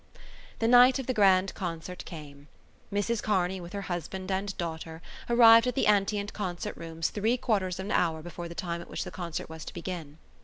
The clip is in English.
The night of the grand concert came. Mrs Kearney, with her husband and daughter, arrived at the Antient Concert Rooms three quarters of an hour before the time at which the concert was to begin.